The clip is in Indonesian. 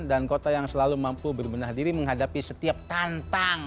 dan kota yang selalu mampu berbenah diri menghadapi setiap tantang